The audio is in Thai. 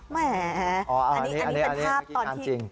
แหมอันนี้เป็นภาพตอนที่